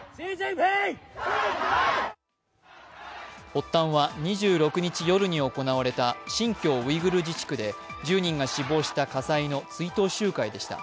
発端は２６日夜に行われた新疆ウイグル自治区で１０人が死亡した火災の追悼集会でした。